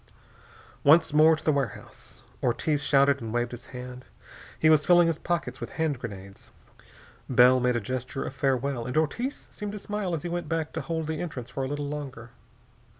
Once more to the warehouse. Ortiz shouted and waved his hand. He was filling his pockets with hand grenades. Bell made a gesture of farewell and Ortiz seemed to smile as he went back to hold the entrance for a little longer.